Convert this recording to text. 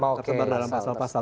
tersebar dalam pasal pasal